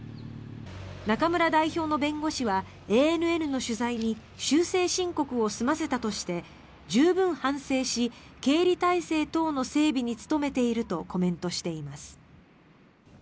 中村代表の弁護士はＡＮＮの取材に修正申告を済ませたとして十分反省し、経理体制等の整備に努めているとコメントしています。